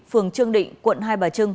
phường trương định quận hai bà trưng